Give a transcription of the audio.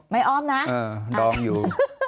ไม่อ้อมนะอ่าดองอยู่